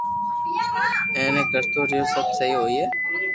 ايم اي ڪرتو رھيو سب سھي ھوئي